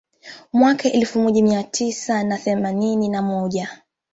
Mwaka elfu moja mia tisa na themanini na moja